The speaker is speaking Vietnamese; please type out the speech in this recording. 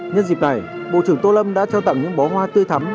nhân dịp này bộ trưởng tô lâm đã trao tặng những bó hoa tươi thắm